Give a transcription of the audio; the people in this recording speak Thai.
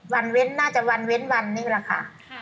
เว้นน่าจะวันเว้นวันนี้แหละค่ะ